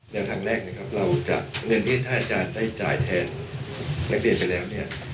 อย่างทางแรกเราจับเงินที่ท่านอาจารย์ได้จ่ายแทนนักเรียนไปแล้ว